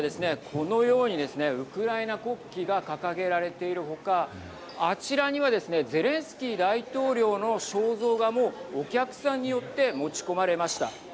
このようにですねウクライナ国旗が掲げられている他あちらにはですねゼレンスキー大統領の肖像画もお客さんによって持ち込まれました。